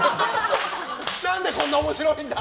何でこんな面白いんだ！